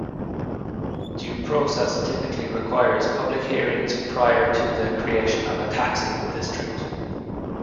Due process typically requires public hearings prior to the creation of a taxing district.